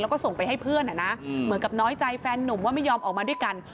แล้วก็ส่งไปให้เพื่อนเหมือนกับน้อยใจแฟนหนุ่มว่าไม่ยอมออกมาด้วยกัน